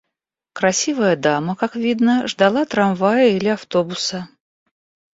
Красивая дама, как видно, ждала трамвая или автобуса.